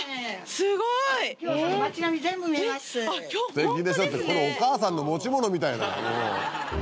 「素敵でしょ！」ってこのおかあさんの持ち物みたいな。